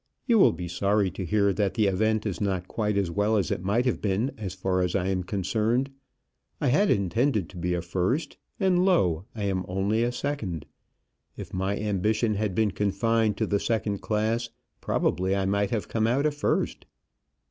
You will be sorry to hear that the event is not quite as well as it might have been as far as I am concerned. I had intended to be a first, and, lo! I am only a second. If my ambition had been confined to the second class, probably I might have come out a first.